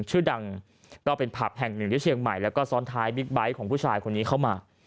ชื่อดังก็เป็นผับแห่งหนึ่งที่เชียงใหม่แล้วก็ซ้อนท้ายบิ๊กไบท์ของผู้ชายคนนี้เข้ามา